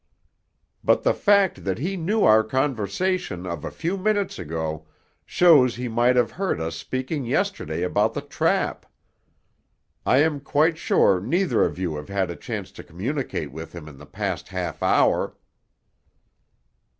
"But the fact that he knew our conversation of a few minutes ago shows he might have heard us speaking yesterday about the trap. I am quite sure neither of you have had a chance to communicate with him in the past half hour."